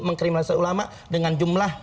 mengkriminalisasi ulama dengan jumlah